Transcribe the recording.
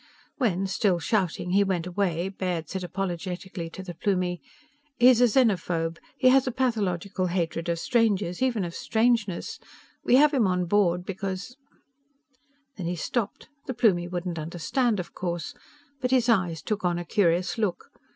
When, still shouting, he went away, Baird said apologetically to the Plumie: "He's a xenophobe. He has a pathological hatred of strangers even of strangeness. We have him on board because " Then he stopped. The Plumie wouldn't understand, of course. But his eyes took on a curious look.